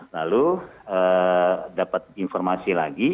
lalu dapat informasi lagi